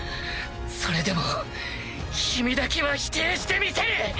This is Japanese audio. それでも君だけは否定してみせる！